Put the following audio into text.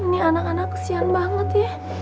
ini anak anak kesian banget ya